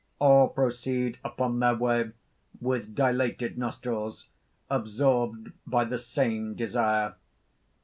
All proceed upon their way with dilated nostrils, absorbed by the same desire.